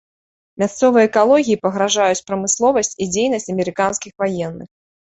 Мясцовай экалогіі пагражаюць прамысловасць і дзейнасць амерыканскіх ваенных.